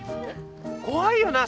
怖いよな